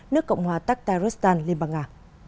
nước cộng hòa taktaristan liên bang nga